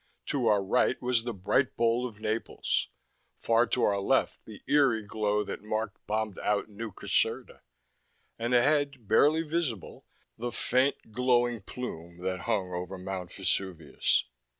To our right was the bright bowl of Naples; far to our left, the eerie glow that, marked bombed out New Caserta. And ahead, barely visible, the faint glowing plume that hung over Mount Vesuvius.